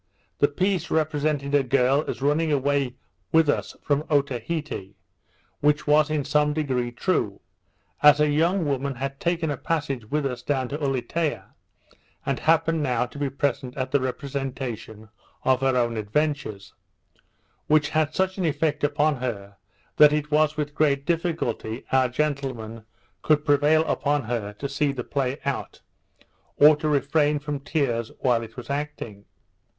The piece represented a girl as running away with us from Otaheite; which was in some degree true; as a young woman had taken a passage with us down to Ulietea, and happened now to be present at the representation of her own adventures; which had such an effect upon her, that it was with great difficulty our gentlemen could prevail upon her to see the play out, or to refrain from tears while it was acting.